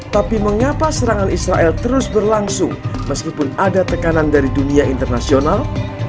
tapi mengapa serangan israel terus berlangsung meskipun ada tekanan dari dunia internasional